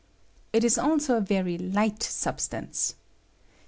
It is also a very ligbt aubstance.